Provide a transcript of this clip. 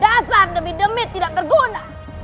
dasar demi demi tidak berguna